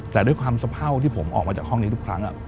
แต่ด้วยความสะเผ่าที่ผมออกมาจากห้องนี้ทุกครั้ง